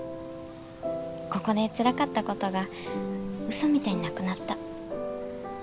ここでつらかったことが嘘みたいになくなった。